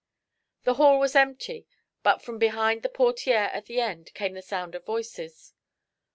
The hall was empty, but from behind the portière at the end came the sound of voices.